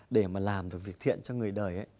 để mà làm được việc thiện cho người đời